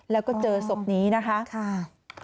แล้วก็เจอศพนี้นะคะ